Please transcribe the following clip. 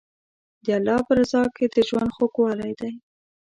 د الله په رضا کې د ژوند خوږوالی دی.